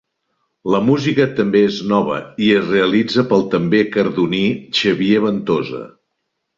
La música també és nova i és realitzada pel també cardoní Xavier Ventosa.